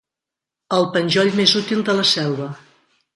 El penjoll més útil de la selva.